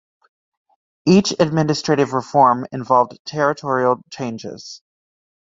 Each administrative reform involved territorial changes.